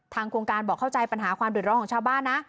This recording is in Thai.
โครงการบอกเข้าใจปัญหาความเดือดร้อนของชาวบ้านนะ